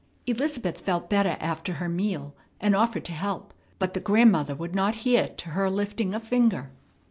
Elizabeth felt better after her meal, and offered to help, but the grandmother would not hear to her lifting a finger.